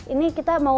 ini kita mau berkembang